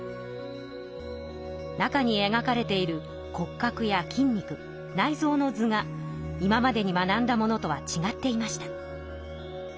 中にえがかれている骨格や筋肉内臓の図が今までに学んだものとはちがっていました。